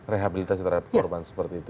rehabilitasi terhadap korban seperti itu